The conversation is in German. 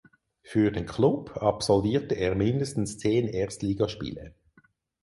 Für den Klub absolvierte er mindestens zehn Erstligaspiele.